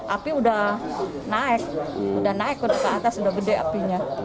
api udah naik udah naik ke atas sudah gede apinya